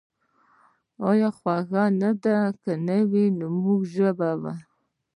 آیا خوږه دې نه وي زموږ ژبه؟